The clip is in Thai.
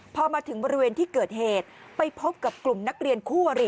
พอมาถึงบริเวณที่เกิดเหตุไปพบกับกลุ่มนักเรียนคู่วรี